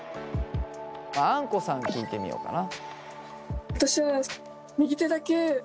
あんこさん聞いてみようかな。